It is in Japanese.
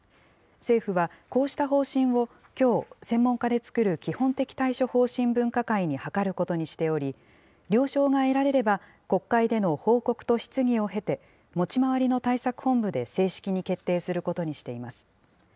政府はこうした方針をきょう、専門家で作る基本的対処方針分科会に諮ることにしており、了承が得られれば、国会での報告と質疑を経て、持ち回りの対策本部で正式に決定することにしています。